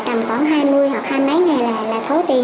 tầm khoảng hai mươi hoặc hai mươi mấy ngày là thố tiền rồi